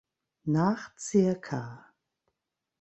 Nach zirka.